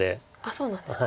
そうなんですか。